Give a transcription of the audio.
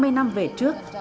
khi xây dựng nhà rông